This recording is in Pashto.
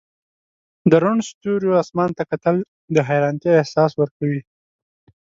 د روڼ ستوریو اسمان ته کتل د حیرانتیا احساس ورکوي.